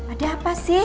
ada apa sih